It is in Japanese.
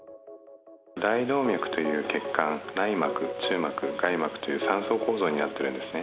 大動脈という血管内膜、中膜、外膜という３層構造になっているんですね。